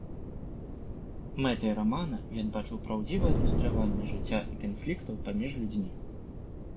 Мэтай рамана ён бачыў праўдзівае адлюстраванне жыцця і канфліктаў паміж людзьмі.